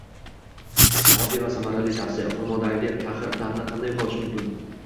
Oddiy va samarali tavsiya: xurmodagi taxir ta’mni qanday yo‘qotish mumkin?